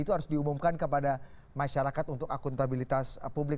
itu harus diumumkan kepada masyarakat untuk akuntabilitas publik